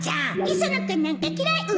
磯野君なんか嫌い！